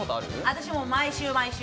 私、毎週毎週。